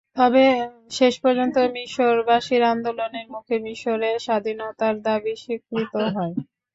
তবে শেষ পর্যন্ত মিসরবাসীর আন্দোলনের মুখে মিসরের স্বাধীনতার দাবি স্বীকৃত হয়।